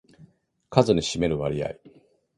数に占める割合